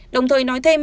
đồng thời nói thêm